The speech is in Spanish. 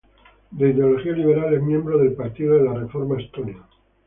De ideología liberal, es miembro del Partido de la Reforma Estonio.